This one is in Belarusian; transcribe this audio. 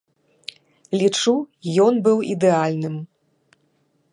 Лічу, ён быў ідэальным.